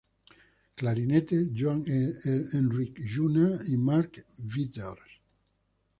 Clarinetes: Joan Enric Lluna, Mark Withers.